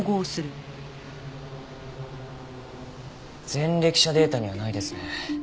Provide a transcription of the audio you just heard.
前歴者データにはないですね。